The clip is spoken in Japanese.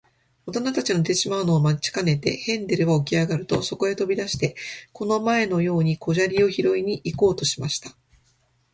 おとなたちの寝てしまうのを待ちかねて、ヘンゼルはおきあがると、そとへとび出して、この前のように小砂利をひろいに行こうとしました。